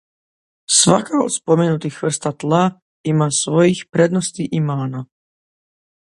Svaka od spomenutih vrsta tla ima svojih prednosti i mana.